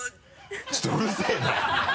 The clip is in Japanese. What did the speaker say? ちょっとうるせぇな！